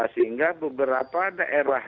sehingga beberapa daerah